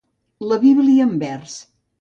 La Bíblia en vers.